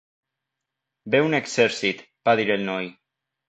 "Ve un exèrcit", va dir el noi.